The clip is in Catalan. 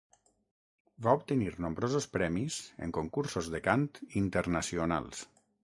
Va obtenir nombrosos premis en concursos de cant internacionals.